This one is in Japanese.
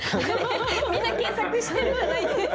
みんな検索してるんじゃないですか。